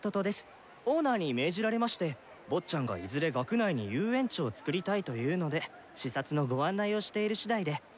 オーナーに命じられまして坊ちゃんがいずれ学内に遊園地をつくりたいというので視察のご案内をしているしだいで。